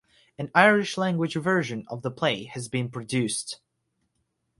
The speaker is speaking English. An Irish-language version of the play has been produced.